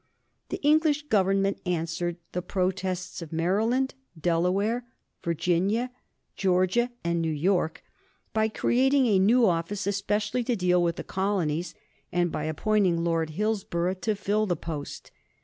The English Government answered the protests of Maryland, Delaware, Virginia, Georgia, and New York by creating a new office especially to deal with the colonies, and by appointing Lord Hillsborough to fill the post.